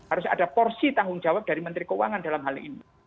harus ada porsi tanggung jawab dari menteri keuangan dalam hal ini